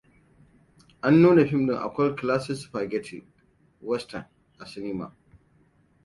A nuna fim ɗin A cult classic spaghetti western a sinima